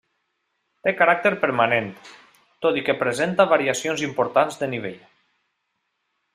Té caràcter permanent, tot i que presenta variacions importants de nivell.